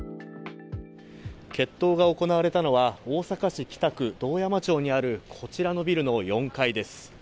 決闘が行われたのは大阪市北区堂山町にあるこちらのビルの４階です。